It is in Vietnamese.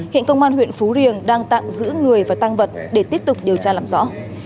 hiện công an huyện phú riềng đang tạm giữ người và tăng vật để tiếp tục điều tra làm rõ